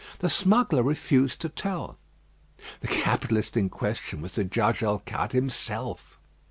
The smuggler refused to tell. The capitalist in question was the Judge Alcade himself.